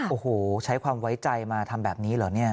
โอ้โหใช้ความไว้ใจมาทำแบบนี้เหรอเนี่ย